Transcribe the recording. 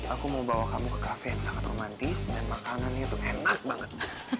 aku mau bawa kamu ke kafe yang sangat romantis dan makanannya tuh enak banget